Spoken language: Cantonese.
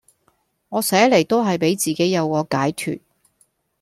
我寫嚟都係俾自己有個解脫